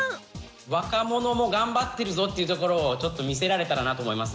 若者も頑張ってるぞっていうところをちょっと見せられたらなと思います。